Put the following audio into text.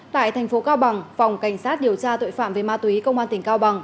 tại thành phố cao bằng phòng cảnh sát điều tra tội phạm về ma túy công an tỉnh cao bằng